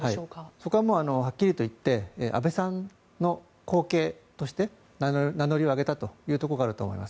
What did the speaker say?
そこははっきり言って安倍さんの後継として名乗りを上げたということがあると思います。